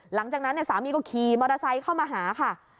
หลังจากนั้นสามีก็ขี่มอเตอร์ไซค์เข้ามาหาค่ะ